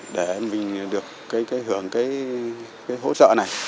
để mình được hưởng hỗ trợ này